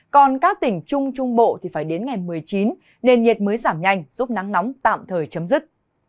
còn các tỉnh trung trung bộ thì phải đến ngày một mươi chín nền nhiệt mới giảm nhanh giúp nắng nóng tạm thời chấm dứt